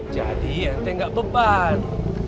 jadi ente gak beban